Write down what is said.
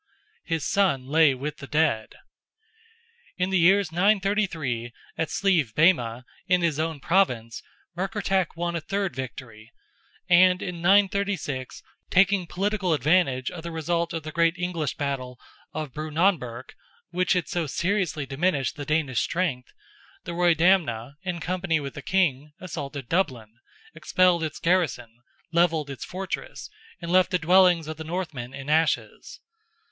His son lay with the dead. In the years 933, at Slieve Behma, in his own Province, Murkertach won a third victory; and in 936, taking political advantage of the result of the great English battle of Brunanburgh, which had so seriously diminished the Danish strength, the Roydamna, in company with the King, assaulted Dublin, expelled its garrison, levelled its fortress, and left the dwellings of the Northmen in ashes.